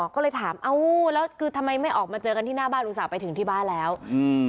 ก็เลยถามเอ้าแล้วคือทำไมไม่ออกมาเจอกันที่หน้าบ้านลุงสาวไปถึงที่บ้านแล้วอืม